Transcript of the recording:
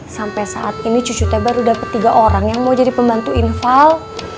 sampai saat ini cucu teh baru dapet tiga orang yang mau jadi pembantu infal